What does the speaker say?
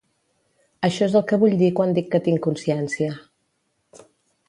Això és el que vull dir quan dic que tinc consciència.